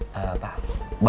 pak bapak yakin